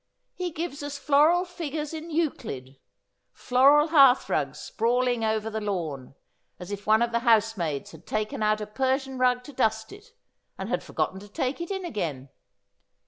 He gives us floral figures in Euclid ; floral ht arthrugs sprawling over the lawn, as if one of the housemaids had taken out a Persian rug to dust it, and had forgotten to take it in again.